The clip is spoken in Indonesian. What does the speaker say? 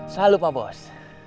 selalu pak bos